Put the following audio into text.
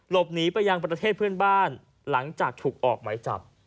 หลบหนีไปยังประเทศเพื่อนบ้านหลังจากถูกออกหมายจับ